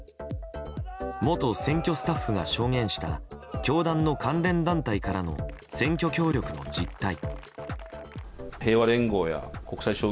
元選挙スタッフが証言した教団の関連団体からの選挙協力の実態。